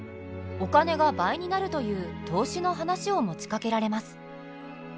お金が倍になるという投資の話を持ちかけられます。